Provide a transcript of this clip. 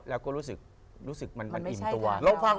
แล้วก็รู้สึกมันอิ่มตัว